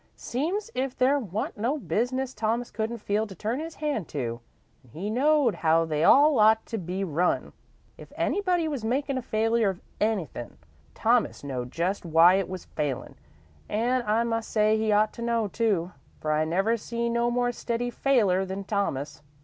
Seems 's if there wa'n't no business Thomas couldn't feel to turn his hand to, an' he knowed how they all ought to be run. If anybody was makin' a failure of anythin', Thomas knowed just why it was failin' an' I must say he ought to know, too, for I never see no more steady failer than Thomas.